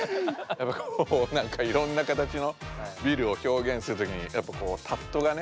こうなんかいろんなかたちのビルを表現するときにやっぱこうタットがね。